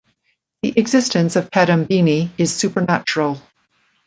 The existence of Kadambini is supernatural.